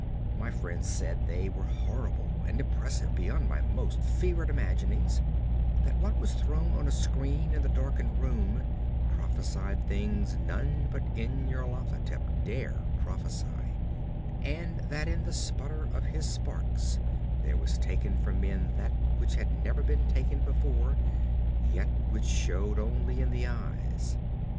My friend said they were horrible and impressive beyond my most fevered imaginings; and what was thrown on a screen in the darkened room prophesied things none but Nyarlathotep dared prophesy, and in the sputter of his sparks there was taken from men that which had never been taken before yet which shewed only in the eyes.